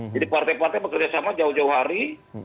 jadi partai partai bekerjasama jauh jauh hari